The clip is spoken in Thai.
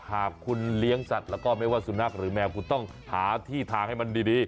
หากคุณเลี้ยงสัตว์แล้วก็ไม่ว่าสุนัขหรือแมวคุณต้องหาที่ทางให้มันดี